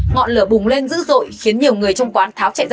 ngọn lửa bùng lên dữ dội khiến nhiều người trong quán tháo chạy ra